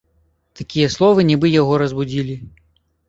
Такія словы нібы яго разбудзілі.